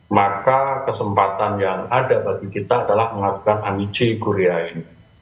maka kesempatan yang ada bagi kita adalah mengadukan amici curiae ini